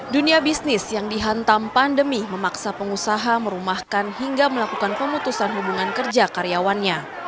dunia bisnis yang dihantam pandemi memaksa pengusaha merumahkan hingga melakukan pemutusan hubungan kerja karyawannya